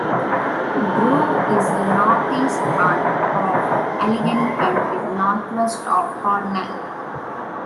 Grove is in the northeast part of Allegany County, northwest of Hornell.